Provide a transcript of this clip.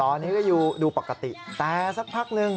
ตอนนี้ก็อยู่ดูปกติแต่สักพักนึง